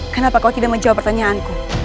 kenapa kau tidak menjawab pertanyaanku